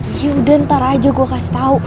yaudah ntar aja gua kasih tau